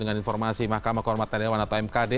dengan informasi mahkamah korporat terewan atau mkd